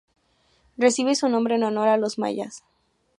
Recibe su nombre en honor a los Mayas.